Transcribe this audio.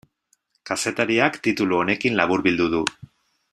Kazetariak titulu honekin laburbildu du.